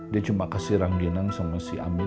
dia cuma kasih ranggenang sama si amin